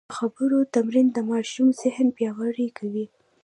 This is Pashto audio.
د خبرو تمرین د ماشوم ذهن پیاوړی کوي.